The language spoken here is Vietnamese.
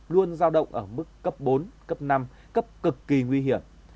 luôn giao động ở mức cấp bốn cấp năm cấp cực kỳ nguy hiểm